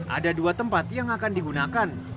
ada dua tempat yang akan digunakan